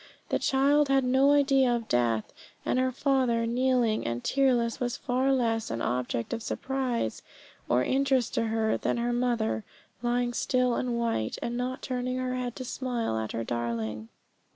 The child had no idea of death, and her father, kneeling and tearless, was far less an object of surprise or interest to her than her mother, lying still and white, and not turning her head to smile at her darling.